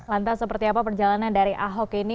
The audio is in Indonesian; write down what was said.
lantas seperti apa perjalanan dari ahok ini